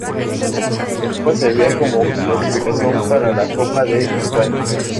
La copa servía como clasificación para la Copa de España.